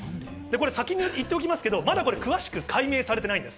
先に言っておきますけど、まだ詳しく解明されてないんです。